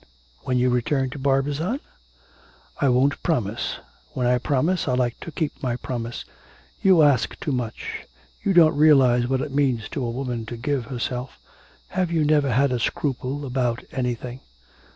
when you return to Barbizon?' 'I won't promise. When I promise I like to keep my promise.... You ask too much. You don't realise what it means to a woman to give herself. Have you never had a scruple about anything?'